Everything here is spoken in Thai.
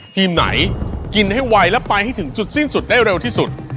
ทีมไหนกินให้ไวและไปให้ถึงจุดสิ้นสุดได้เร็วที่สุด